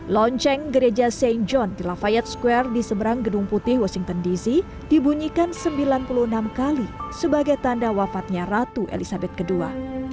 lonceng gereja st john di lafayat square di seberang gedung putih washington dc dibunyikan sembilan puluh enam kali sebagai tanda wafatnya ratu elizabeth ii